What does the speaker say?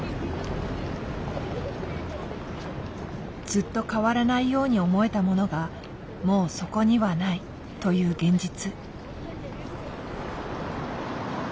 ずっと変わらないように思えたものがもうそこにはないという現実。